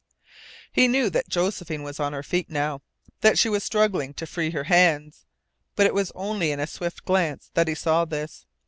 He knew that Josephine was on her feet now, that she was struggling to free her hands, but it was only in a swift glance that he saw this.